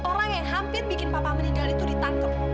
orang yang hampir bikin papa meninggal itu ditangkap